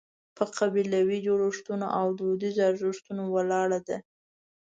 په قبیلوي جوړښتونو او دودیزو ارزښتونو ولاړه ده.